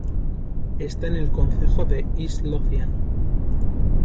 Está en el concejo de East Lothian.